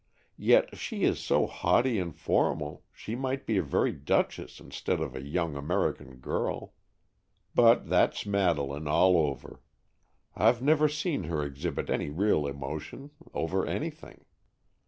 Yet she is so haughty and formal, she might be a very duchess instead of a young American girl. But that's Madeleine all over. I've never seen her exhibit any real emotion over anything.